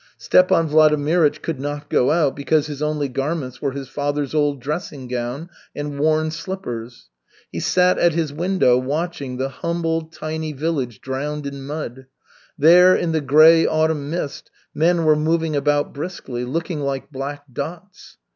Stepan Vladimirych could not go out because his only garments were his father's old dressing gown and worn slippers. He sat at his window watching the tiny, humble village drowned in mud. There, in the gray autumn mist, men were moving about briskly, looking like black dots.